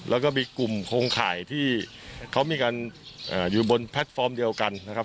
แล้วก็มีกลุ่มโครงข่ายที่เขามีการอยู่บนแพลตฟอร์มเดียวกันนะครับ